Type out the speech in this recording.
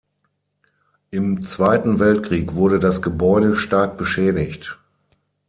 Im Zweiten Weltkrieg wurde das Gebäude stark beschädigt.